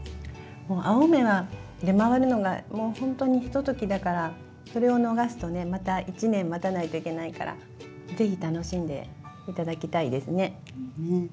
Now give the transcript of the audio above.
もう青梅は出回るのがもうほんとにひとときだからそれを逃すとねまた一年待たないといけないからぜひ楽しんで頂きたいですね。